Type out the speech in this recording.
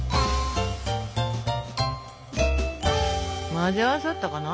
混ぜ合わさったかな？